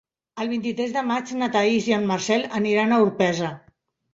El vint-i-tres de maig na Thaís i en Marcel aniran a Orpesa.